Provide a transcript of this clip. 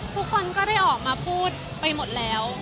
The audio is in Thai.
ทุกคนก็ได้ออกมาพูดไปหมดแล้ว